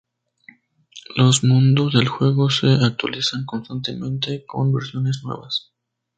Los mundos del juego se actualizan constantemente con versiones nuevas.